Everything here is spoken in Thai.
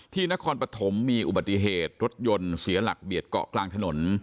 นครปฐมมีอุบัติเหตุรถยนต์เสียหลักเบียดเกาะกลางถนน